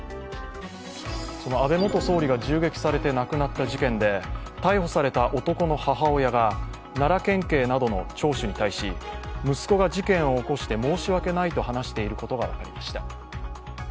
その安倍元総理が銃撃されて亡くなった事件で逮捕された男の母親が奈良県警などの聴取に対し息子が事件を起こして申し訳ないと話していることが分かりました。